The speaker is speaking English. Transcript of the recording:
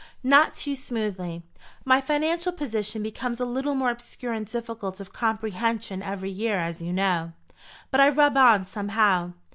"Not too smoothly. My financial position becomes a little more obscure and difficult of comprehension every year, as you know; but I rub on somehow.